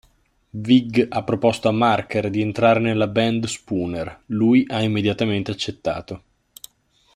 Vig ha proposto a Marker di entrare nella band Spooner lui ha immediatamente accettato.